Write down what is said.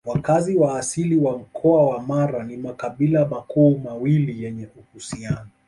Wakazi wa asili wa Mkoa wa Mara ni makabila makuu mawili yenye uhusiano